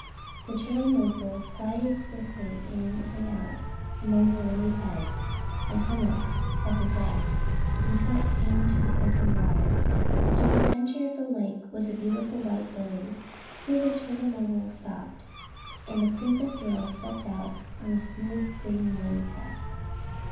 The turtlemobile glided swiftly in and out among the lily pads and hummocks of grass until it came to the open water. In the center of the lake was a beautiful white lily. Here the turtlemobile stopped, and the Princess Lil stepped out on the smooth green lily pad.